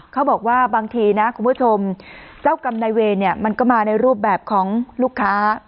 เขาบอกว่าบางทีนะคุณผู้ชมเจ้ากรรมนายเวรเนี่ยมันก็มาในรูปแบบของลูกค้า